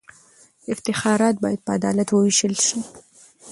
افتخارات باید په عدالت ووېشل سي.